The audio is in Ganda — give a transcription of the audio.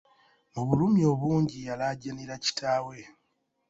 Mu bulumi obungi yalaajanira kitaawe.